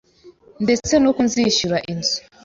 ndetse n’uko nzishyura inzu